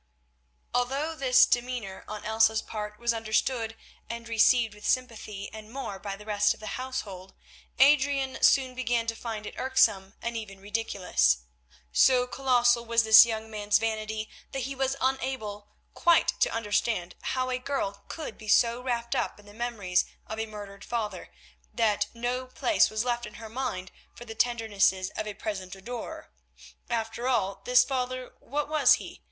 Although this demeanour on Elsa's part was understood and received with sympathy and more by the rest of the household, Adrian soon began to find it irksome and even ridiculous. So colossal was this young man's vanity that he was unable quite to understand how a girl could be so wrapped up in the memories of a murdered father, that no place was left in her mind for the tendernesses of a present adorer. After all, this father, what was he?